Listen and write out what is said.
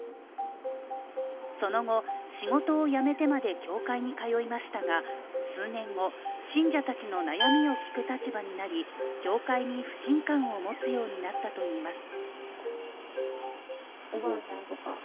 その後、仕事を辞めてまで教会に通いましたが数年後信者たちの悩みを聞く立場になり、教会に不信感を持つようになったといいます。